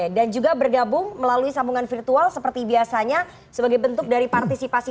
juga bergabung melalui sambungan virtual seperti biasanya sebagai bentuk dari partisipasi